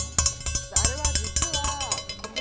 あれは実は骨盤。